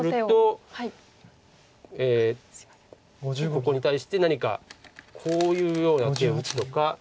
ここに対して何かこういうような手を打つとか。